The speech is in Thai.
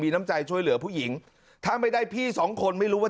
น้ำใจช่วยเหลือผู้หญิงถ้าไม่ได้พี่สองคนไม่รู้ว่า